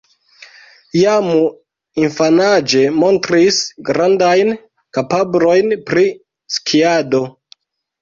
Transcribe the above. Jam infanaĝe montris grandajn kapablojn pri skiado.